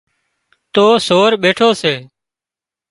تو سور ٻيٺو سي